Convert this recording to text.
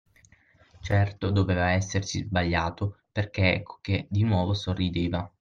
Certo, doveva essersi sbagliato, perché ecco che di nuovo sorrideva.